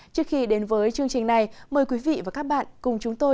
trước khi đến với chương trình này mời quý vị và các bạn cùng chúng tôi